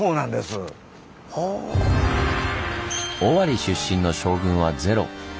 尾張出身の将軍はゼロ。